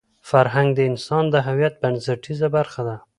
فرهنګ د انسان د هویت بنسټیزه برخه ده.